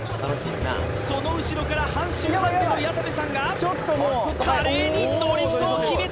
その後ろから半周ハンデの矢田部さんが華麗にドリフトを決めた！